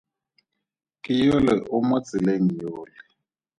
Ke yole o mo tseleng yole.